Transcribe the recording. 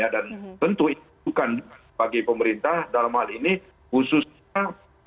dan tentu itu kan bagi pemerintah dalam hal ini khususnya